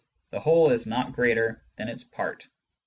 the whole is not greater than its part."